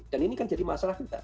dan ini kan jadi masalah kita